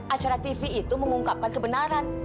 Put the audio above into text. acara tv itu mengungkapkan kebenaran